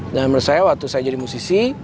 dan menurut saya waktu saya jadi musisi